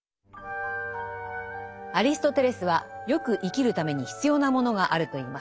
アリストテレスは善く生きるために必要なものがあると言います。